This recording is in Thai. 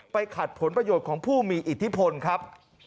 ขัดผลประโยชน์ของผู้มีอิทธิพลครับ